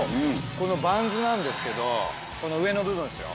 このバンズなんですけどこの上の部分ですよ